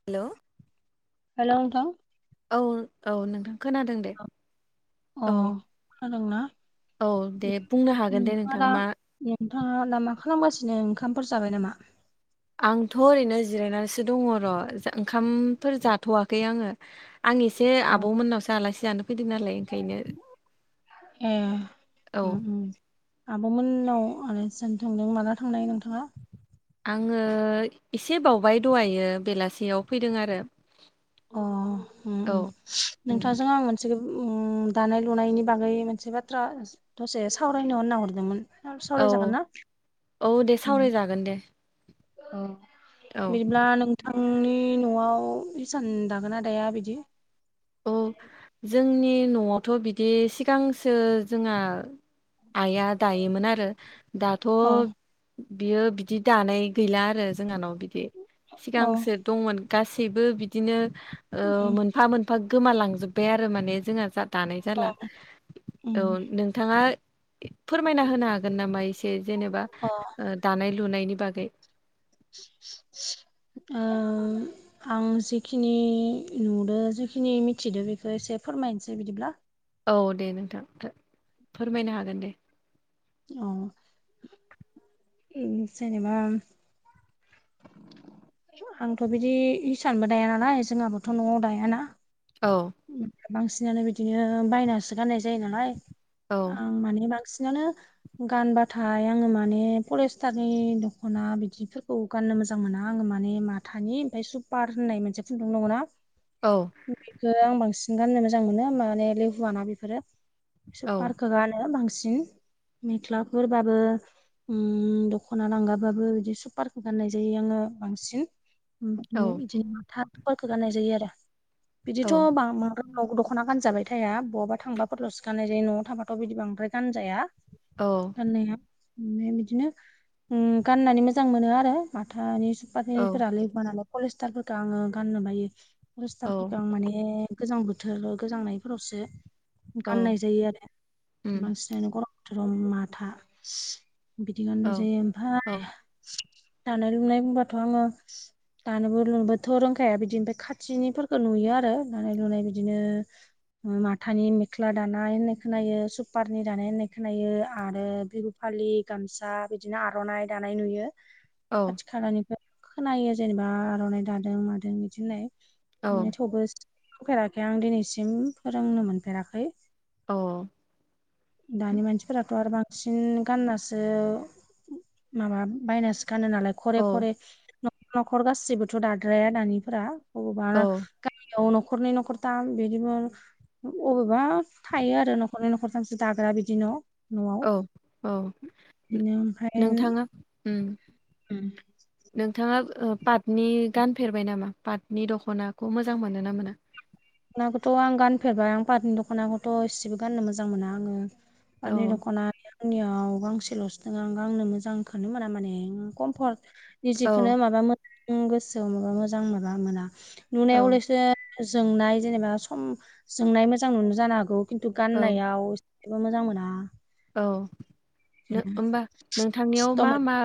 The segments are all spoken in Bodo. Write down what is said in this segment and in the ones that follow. हेल' हेल' नोंथां औ औ नोंथां खोनादों दे अ औ जादोंना? औ दे बुंनो हागोन दे नोंथां मा? नोंथाङा दा मा खालामगासिनो ओंखामफोर जाबाय नामा? आंथ' ओरैनो जिरायनानैसो दङ र' ओंखामफोर जाथ'वाखै आङो। आं एसे अ आबौमोननावसो आलासि जानो फैदों नालाय ओंखायनो। ए औ उ‌ उ आब'मोननाव आलासि जानो थांदों माला थांनाय नोंथाङा? आङो एसे बावबाय दहायो बेलासियाव फैदों आरो अ उ उ औ नोंथांजों आं मोनसे बि दानाय लुनायनि बागै मोनसे बाथ्रा दसे सावरायनोना हरदोंमोन। सावराय जागोन ना? जागोन दे। औ औ बिदिब्ला नोंथांनि न'आव इसान दागोना दाया बिदि? औ जोंनि न'आवथ' बिदि सिगांसो जोंहा आइआ दायोमोन आरो दाथ' अ बियो बिदि दानाय गैला आरो जोंहानाव बिदि अ सिगांसो दंमोन गासैबो बिदिनो ओ उम मोनफा मोन फा गोमालांजोब्बाय आरो माने जोंहा जा दानाय जाला अ औ उम नों बिथाङा फोरमायना होनो हागोन नामा एसे जेनेबा अ ओ दानाय लुनायनि बागै। ओ आं जिखिनि नुदो जिखिनि मिथिदो बेखौ एसे फोरमायनोसै बिदिब्ला। औ दे नोंथां फोरमायनो हागोन दे। अ जेनबा आंथ' बिदि इिसानबो दाया नालाय जोंहाबोथ' न'आव दायाना औ बांसिनानो बिदिनो बायनासो गाननाय जायो नालाय। औ माने बांसिनानो गानबाथाय आंङो माने फरेस्टारनि दख'ना बिदिफोरखौ गाननो मोजां मोना आङो माने माथानि ओमफ्राय सुपार होननाय मोनसे खुन्दुं दङ ना? औ। बेखौ आं बांसिन गाननो मोजां मोनो माने लेहुवाना बेफोरो। औ सुपारखो गानो बांसिन मेख्लाफोरबाबो उम दख'ना लांगाबाबो बिदि सुपारखौ गाननाय जायो आंङो बांसिन। औ बिदिनो माथाफोरखौ गाननाय जायो आरो बिदिथ' औ बां नं न' दख'ना गानजाबाय थाया बहाबा थांबाफोरल'सो गाननाय जायो न'आव थाबाथ' बिदि बांद्राय गानजाया। औ। गाननायाव ओमफ्राय बिदिनो ओ गाननानै मोजां मोनो आरो माथानि औ सुपारनिफोरा लेफुवा नालाय पलिस्टारफोरखो आंङो गाननो बायो पलिस्टारफोर औ माने गोजां बोथोर गोजांनायफोरावसो औ गाननाय जायो आरो उम बांसिनानो गरम बोथोराव माथा। बिदि गाननाय औ जायो औ ओमफ्राय दानाय लुनाय बुंबाथ' आंङो दानोबो लुनोबोथ' रोंखाया बिदि ओफ्राय खाथिनिफोरखौ नुयो आरो दानाय लुनाय बिदिनो माथानि मेख्ला दानाय होननाय खोनायो सुपारनि दानाय होननाय खोनायो आरो बिहु फालि गामसा बिदिनो आर'नाइ दानाय नुयो। औ खाथि खालानिफ्राय खोनायो जेनेबा आर'नाइ दादों मादों बिदि होननाय। औ थेवबो सोंफेराखै आं दिनैसिम फोरोंनो मोनफेराखै। अ। दानि मानसिफोराथ' आरो बांसिन गाननासो माबा बायनासो गानो नालाय। खरे औ खरे न'खर न'खर गाससिबोथ' दाद्राया दानिफोरा बबावबा औ गामियाव न'खरनै न'खरथाम बिदिबो अबेबा थायो आरो न'खरनै न'खर थामसो दाग्रा बिदि न'। औ औ बिदिनो नोंथाङा उम उम। नोंथाङा ओ पाटनि गानफेरबाय नामा पाटनि दख'नाखौ मोजां मोनो ना मोना? दखनाखौथ' आं गानफेरबाय आं पाटनि दख'नाखौथ' एसेबो गाननो मोजां मोना आंङो। औ पाटनि दख'ना आंनियाव गांसेल'सो दङो आं गांनो मोजां खोनो मोना माने कम्फर्ट औ निजेखौनो माबा [unintelligible] गोसोआव माबा मोजां माबा मोना औ नुनायावलसो जोंनाय जेनेबा सम जोंनाय मोजां नुनो जानो हागौ खिन्थु औ गाननायाव थेवबो मोजां मोना। औ नो होमबा नोंथांनियाव खस्थ' मा मोनो मा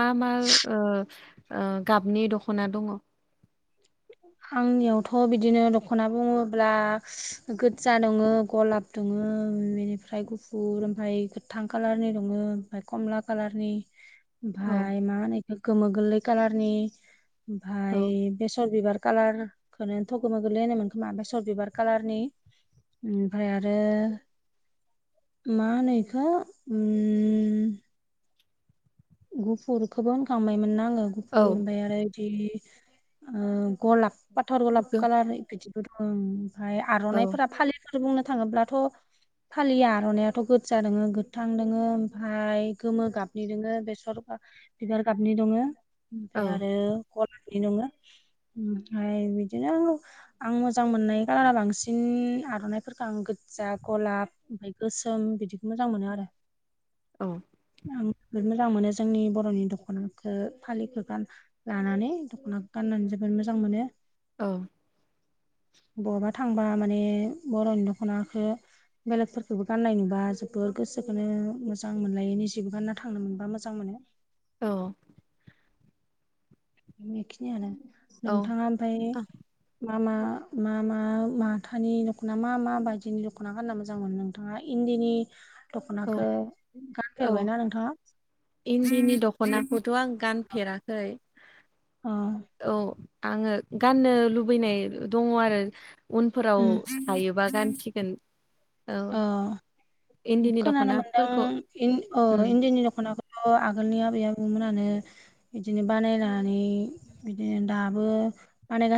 मा मा ओ ओ गाबनि दख'ना दङ'? आंनियावथ' बिदिनो दख'ना बुङोब्ला गोजा दङो गलाब दङो बेनिफ्राय गुफुर ओमफ्राय गोथां कालारनि दङो ओमफ्राय कमला कालारनि [inaudible] औ ओमफाय मा होनो बेखो गोमो गोरलै खालारनि औ ओमफाय बेसर बिबार कालारखौनो थ' गोमा गोरलै होनोमोन खोमा फ्राय बेसर बिबार कालारनि ओमफ्राय आरो मा होनो इखो उम गुफुरखौबो होनखांबायमोनना आंङो गुफुर ओमफ्राय आरो बिदि ओ गलाब फाथर गलाब गो- कालारनि बिदिबो दं ओमफ्राय औ आर'नाफोरा फालिफोर बुंनो थाङोब्लाथ' फालि आर'नाइआथ' गोजा दोङो गोथां दोङो ओमफ्राय गोमो गाबनि दोङो बेसर [unintelligible] बिबार गाबनि दङ ओमफ्राय औ आरो गलाबनि दङ। ओमफ्राय बिदिनो आं मोजां मोननाय खालारा बांसिन आर'नाइफोरखौ आं गोजा गलाब ओमफाय गोसोम बिदिखौ मोजां मोनो आरो। औ। आं जोबोद मोजां मोनो जोंनि बर'नि दख'नाखो फालिखौ गान लानानै दख'ना गाननानै जोबोद मोजां मोनो। औ। बहाबा थांबा माने बर'नि दख'नाखो बेलेगफोरखौबो गाननाय नुबा जोबोर गोसोखौनो मोजां मोनलायो निजेबो गानना थांनो मोनबा मोजां मोजां मोनो। औ। बेखिनियानो नोंथाङा ओमफाय मा मा मा मा माथानि दख'ना मा मा बायदिनि दख'ना गानना मोजां मोनो नों? नोंथाङा इन्दिनि औ दख'नाखो औ गानफेरबायना नोंथाङा? इन्दिनि दख'नाखौथ' आं गानफेराखै। अह। औ आङो गाननो लुबैनाय दङ' आरो उनफोराव उम हायोबा गानसिगोन। ओ औ इन्दिनि खोनानो दख'नाफोरखौ मोनदों इन ओ उम इन्दिनि दख'नाखो थ' आगोलनि आबै आबौमोनानो बिदिनो बानायनानै बिदिनो दाबो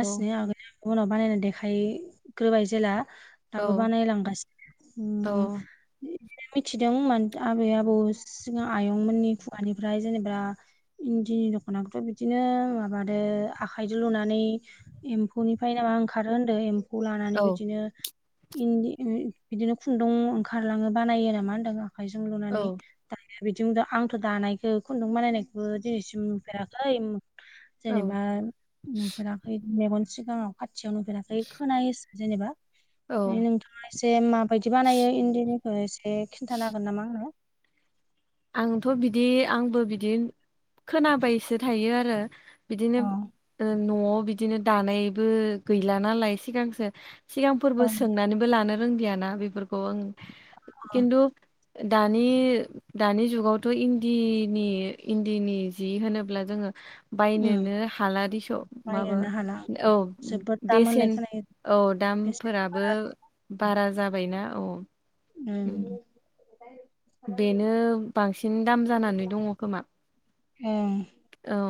औ आगोल उनाव बानायनानै देखायग्रोबाय जेला दाबो औ बानायलांगासि औ। [unintelligible] मिथिदोंमोन आबै आबौ सिगां आयंमोननि खुगानिफ्राय जेनेबा इन्दिनि दख'नाखौथ' बिदिनो माबादो आखाइजों लुनानै एम्फौनिफ्राय नामा ओंखारो होनदो एम्फौ लानानै औ बिदिनो इन्दि बिदिनो खुन्दुं ओंखारलाङो बानायो नामा होनदों आखायजों लुनानै। औ बिदि आंथ' दानायखौ खुन्दुं बानायनायखौबो दिनैसिम नुफेराखै। औ जेनेबा नुफेरा मेगन सिगाङाव खाथियाव नुफेराखै खोनायोसो जेनेबा माने औ नोंथां जे माबायदि बानायो इन्दिनिखौ एसे खिन्थानो हागोन नामा आंनो‌? आंथ' बिदि आंबो बिदि खोनाबायसो थायो आरो अ बिदिनो ओ न'आव बिदिनो दानायबो गैला नालाय सिगांसो सिगांफोरबो ओं सोंनानैबो लानो रोंलियाना बेफोरखौ ओं खिन्थु दानि दानि जुगावथ' इन्दिनि इन्दिनि जि होनोब्ला जोङो उम बायनोनो हाला दिस माबा बायनोनो हाला औ जोबोद दाम बेसेन होननाय खोनायो औ बेसेन दामफोराबो बारा बारा जाबायना औ। उम। बेनो बांसिन दाम जानानै दङ खोमा ओं औ।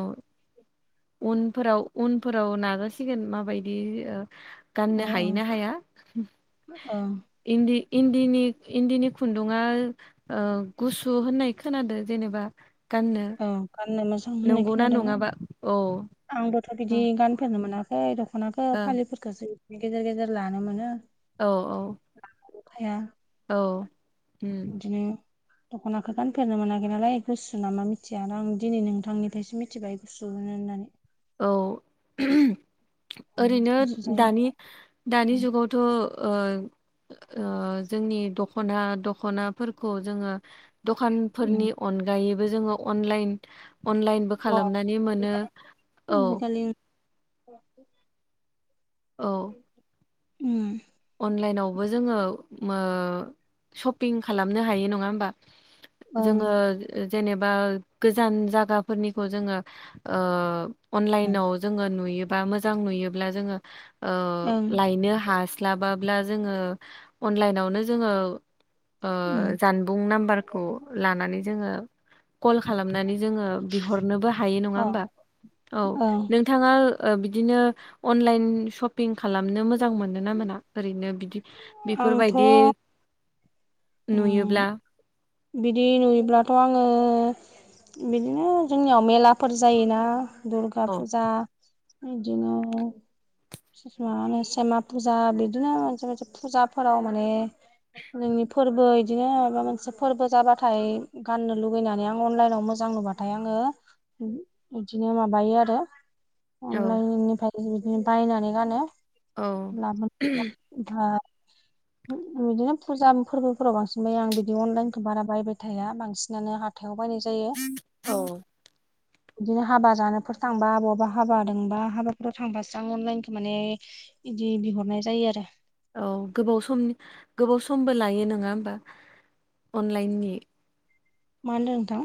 उनफोराव उनफोराव नाजासिगोन माबायदि अ गाननो हायो ना हाया। ओं इन्दि इन्दिनि इन्दिनि खुन्दुंआ ओ गुसु होननाय खोनादो जेनेबा गाननो। औ गाननो मोजां होननाय नंगौना खोनादोंमोन नङाबा औ आंबोथ' ओ बिदि गानफेरनो मोना खै दख'नाखौ औ फालिफोरखौसो बिदिनो गेजेर गेजेर लानो मोनो। औ औ। [unintelligible] औ। उम बिदिनो दखानाखौ गानफेरनो मोनाखै नालाय गुसु नामा मिथिया आं दिनै नोंथांनिफ्रायसो मिथिबाय। गुसु होनो होननानै। औ उम ओरैनो गुसु जायो दानि दानि आरो जुगावथ' ओ ओ जोंनि दख'ना दख'नाफोरखौ जोङो उम दखानफोरनि अनगायैबो जोङो अनलाइन अनलाइनबो खालामनानै मोनो। औ खालि औ उम अनलाइनावबो जोङो ओ सपिं खालामनो हायो नङा होमबा? ओं जोङो जेनेबा गोजान जागाफोरनिखौ जोङो ओ अनलाइनाव जोङो नुयोबा मोजां नुयोब्ला जोङो ओ ओं लायनो हास लाबाब्ला जोङो अनलाइनावनो जोङो ओ उम जानबुं नाम्बार खौ लानानै जोङो कल खालामनानै जोङो बिहरनोबो हायो नङा औ होमबा औ नों नोंथाङा बिदिनो अनलाइन सपिं खालामनो मोजां मोनो ना मोना? ओरैनो बिदि आंथ' बेफोरबायदि उम नुयोब्ला बिदि नुयोब्लाथ' आङो बिदिनो जोंनियाव मेलाफोर जायोना दुर्गा औ फुजा बिदिनो [unintelligible] सेमा फुजा बिदिनो मोनसे मोनसे फुजाफोराव माने जोंनि फोरबो बिदिनो माबा मोनसे फोरबो जाबाथाय गाननो लुुबैनानै आं अनलाइनाव मोजां नुबाथाय आङो बिदिनो माबायो आरो औ अनलाइननिफ्राय बिदिनो बायनानै गानो औ लाबोन ओ बिदिनो फुजा फोरबोफोराव बांसिन बायो आं बिदि अनलाइन बारा बायबाय थाया बांसिनानो हाथायाव बायनाय जायो। औ बिदिनो हाबा जानोफोर थांबा बहाबा हाबा दोंबा हाबाफोराव थांबासो आं अनलाइनखौ माने इदि बिहरनाय जायो आरो। औ गोबाव समनि गोबाव समबो लायो नङा होमबा अनलाइननि मान होनदो नोंथां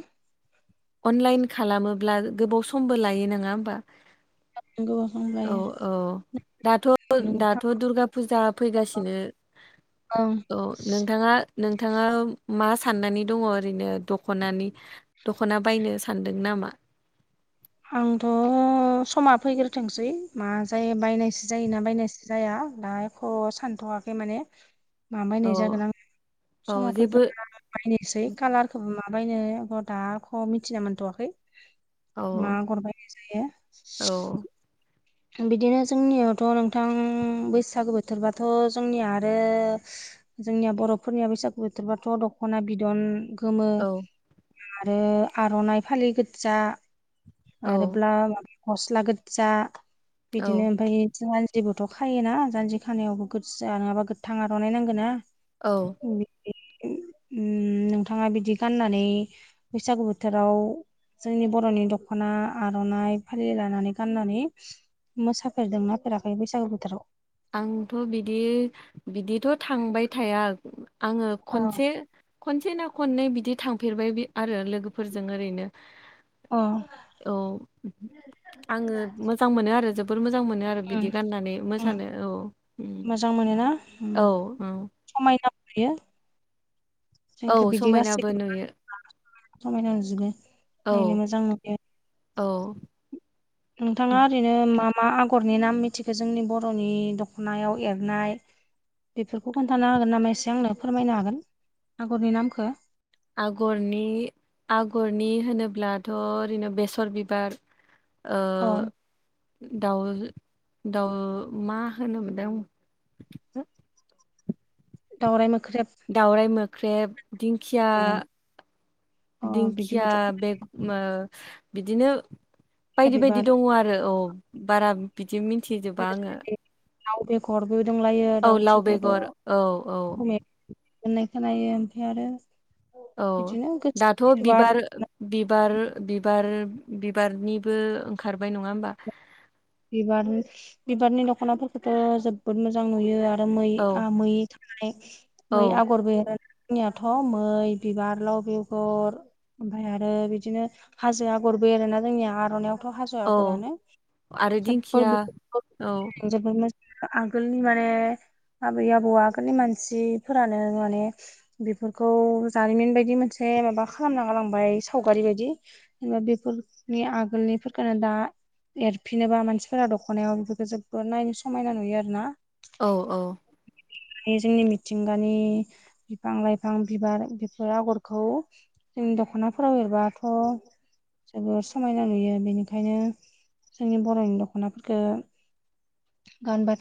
अनलाइन खालामोब्ला गोबाव समबो लायो नङा होमबा? [unintelligible] औ ल्कप औ दाथ' दाथ' दुर्गा फुजा फैगासिनो ओं औ नोंथाङा नोंथाङा मा साननानै दङ ओरैनो दख'नानि? दख'ना बायनो सानदों नामा? आंथ' समा फैग्रोथोंसै मा जायो बायनायसो जायोना बायनायसो जाया दा आं सानथ'वाखै माने मा औ बायनाय जागोन आं औ समा जेबो फैग्रो बायनोसै कालारखौबो माबायनो ओ दाएख' मिथिना मोनथ'वाखै। औ मा आगर बानायनाय जायो औ बिदिनो जोंनिआवथ' नोंथां बैसागो बोथोरबाथ' जोंनिआ आरो हो जोंनिआ बर'फोरनिआ बैसागु बोथोरबाथ' दख'ना बिदन गोमो औ आरो आर'नाइ फालि गोदजा औ आरोब्ला गस्ला गोदजा बिदिनो औ ओमफाय जेबोथ' खायोना जान्जि खानायावबो गोदजा नङाबा गोथां आर'नाइ नांगोन ना औ नोंथाङा बिदि गाननानै बैसागु बोथोराव जोंनि बर'नि दख'ना आर'नाइ फालि लानानै गननानै मोसाफेरदों ना फेराखै बैसागु बोथोराव आंथ' बिदि बिदिथ' थांबाय थाया आङो अ खोनसे खनसे ना खननै बिदि थांफेरबाय बि आरो लोगोफोरजों ओरैनो अ औ आङो मोजां मोनो आरो जोबोद मोजां मोनो आरो उम बिदि गाननानै मो उम मोसानो औ उम औ उम समायनाबो नुयो औ जोंखौ बिदि समायनाबो गासैखौबो नुयो समायना नुजोबो औ नायनो मोजां नुयो औ नोंथांआ ओरैनो मा मा आगरनि नाम मिथिखौ जोंनि बर'नि दख'नायाव एरनाय बेफोरखो खोन्थानो हागोन नामा एसे आंनो फोरमायनो हागोन आगरनि नामखो आगरनि आगरनि होनोब्लाथ' ओरैनो बेस'र बिबार ओ अ दाउ दाउ मा होनोमोनदों दाउराय मोख्रेब दाउराइ मोख्रेब दिंखिआ अ अ दिंखिआ बिदिबोथ' बे ओम बिदिनो खासिया बायदि बायदि बिबार दङ आरो औ बारा बिदि मिथिजोबा आङो लाउ बेगर दंलायो औ लाव दाउथु गद' बेगर औ औ मोननाय खोनायो आमफ्राय आरो औ बिदिनो गोसो दाथ' फैथोबा आरो बिबार बिबार बिबार बिबारनिबो ओंखारबाय नंआ होमबा बिबार बिबारनि दख'नाफोरखौथ' जोबोर मोजां नुयो आरो मै औ आ मै ओम औ मै आगरबो जोंनियाथ' मै बिबार लाउ बेगर आमफ्राय आरो बिदिनो हाजो आग'रबो एरोना जोंनिआ आर'नायावथ' हाजो औ आगरानो आरो स दिंखिया बि औ ज म [inaudible] आगोलनि माने आबै आबौ आगोलनि मानसि फोरानो माने बेफोरखौ जारिमिन बादि मोनसे माबा खालामना गालांबाय सावगारि बायदि जेनबा बेफोरनि आगोलनिफोरखोनो दा एरफिनोबा मानसिफोरा दख'नायाव बेफोरखौ जोबोद नायनो समायना नुयो आरो ना औ औ बे जोंनि मिथिंगानि बिफां लाइफां बिबार बेफोर आगरखौ जोंनि दख'नाफोराव एरबाथ' जोबोर समायना नुयो बिनिखायनो जोंनि बर'नि दख'नाफोरखो गानबाथाइ